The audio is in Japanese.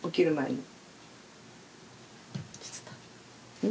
うん？